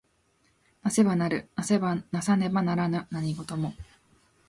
為せば成る為さねば成らぬ何事も。